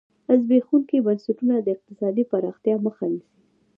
زبېښونکي بنسټونه د اقتصادي پراختیا مخه نیسي.